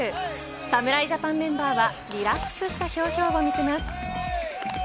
侍ジャパンメンバーはリラックスした表情を見せます。